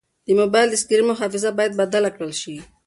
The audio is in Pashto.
د موبایل د سکرین محافظ باید بدل کړل شي.